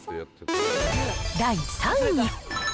第３位。